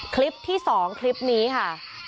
คลิปที่๒คลิปนี้ค่ะ